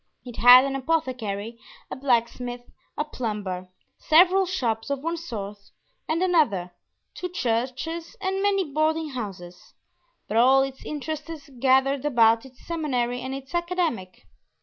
It had an apothecary, a blacksmith, a plumber, several shops of one sort and another, two churches, and many boarding houses; but all its interests gathered about its seminary and its academy.